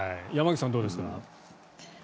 山口さん、どうですか。